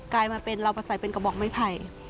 กลายมาเป็นเรามาใส่เป็นกระบอกไม้ไผ่